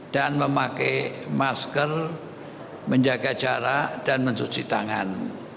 dan memakai masker menjaga jarak dan mencuci tangan